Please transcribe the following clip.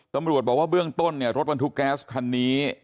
ตำรวจบอกว่าเบื้องต้นเนี่ยรถบรรทุกแก๊สคันนี้